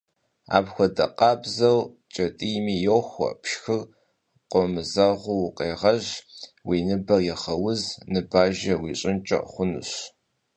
Апхуэдэ къабзэу, кӀэтӀийми йоуэ, пшхыр къомызэгъыу укъегъэжь, уи ныбэр егъэуз, ныбажэ уищӏынкӏэ хъунущ.